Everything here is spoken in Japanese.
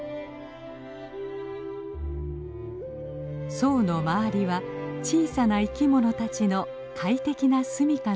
左右の周りは小さな生き物たちの快適な住みかなのです。